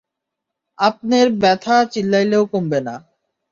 আপনের ব্যথা চিল্লাইলেও কমবে না।